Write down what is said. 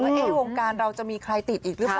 วงการเราจะมีใครติดอีกหรือเปล่า